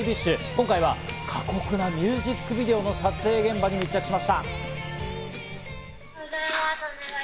今回は過酷なミュージックビデオの撮影現場に密着しました。